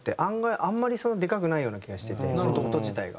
あんまりそんなでかくないような気がしてて音自体が。